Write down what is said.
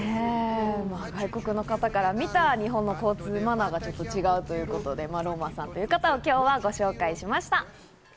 外国の方から見た日本の交通マナーがちょっと違うということでローマンさんという方を今日はご紹介しました。